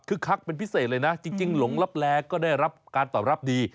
คือคักเป็นพิเศษเลยนะจริงหลงลับแลก็ได้รับการตอบรับดี